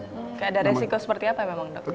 tidak ada resiko seperti apa memang dok